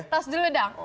oke tas dulu dong